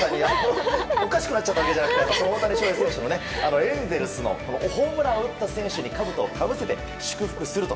おかしくなっちゃったわけじゃなくて大谷翔平選手のエンゼルスがホームランを打った選手にかぶとをかぶせて祝福すると。